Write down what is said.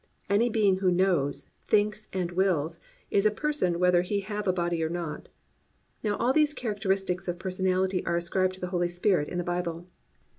Any being who knows, thinks and wills is a person whether he have a body or not. Now all these characteristics of personality are ascribed to the Holy Spirit in the Bible.